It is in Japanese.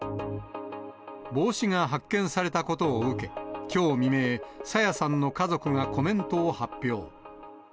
帽子が発見されたことを受け、きょう未明、朝芽さんの家族がコメントを発表。